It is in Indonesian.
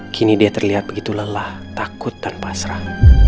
kini dia terlihat begitu lelah takut dan pasrah